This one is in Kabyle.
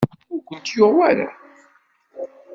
Ur kent-yuɣ wara?